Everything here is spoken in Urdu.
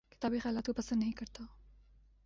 کتابی خیالات کو پسند نہیں کرتا